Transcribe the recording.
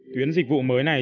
tuyến dịch vụ mới này